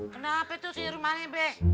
kenapa itu si rom aneh be